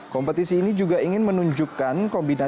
kompetisi ini juga ingin menunjukkan kombinaan